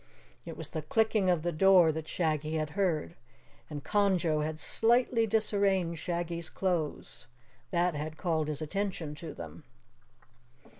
It was the clicking of the door that Shaggy had heard. And Conjo had slightly disarranged Shaggy's clothes that had called his attention to them.